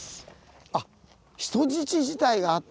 あっ人質時代があった。